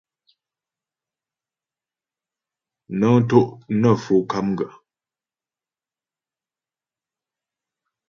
Nə́ŋ tó' nə Fo KAMGA.